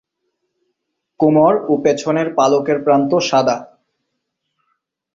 কোমর ও পেছনের পালকের প্রান্ত সাদা।